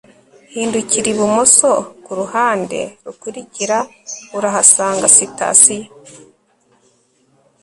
hindukirira ibumoso kuruhande rukurikira, urahasanga sitasiyo